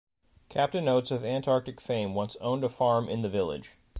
Captain Oates of Antarctic fame once owned a farm in the village.